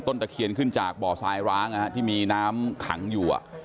ตะเคียนขึ้นจากบ่อทรายร้างที่มีน้ำขังอยู่